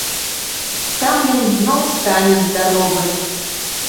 Там ён зноў стане здаровы!